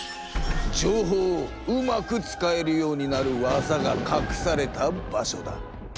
情報をうまく使えるようになる技がかくされた場所だ。